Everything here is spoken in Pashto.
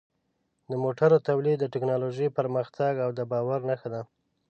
د موټرو تولید د ټکنالوژۍ پرمختګ او د باور نښه ده.